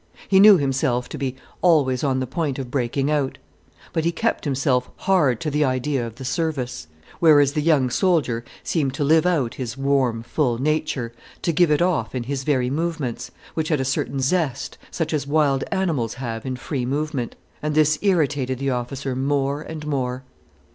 He knew himself to be always on the point of breaking out. But he kept himself hard to the idea of the Service. Whereas the young soldier seemed to live out his warm, full nature, to give it off in his very movements, which had a certain zest, such as wild animals have in free movement. And this irritated the officer more and more.